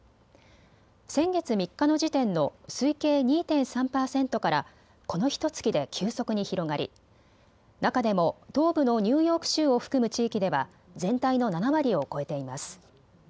先月３日の時点の推計２．３％からこのひとつきで急速に広がり中でも東部のニューヨーク州を含む地域では全体の７割を超えています。